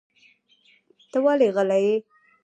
ته ولې غلی یې؟